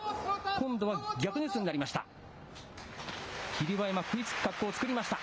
今度は逆四つになりました。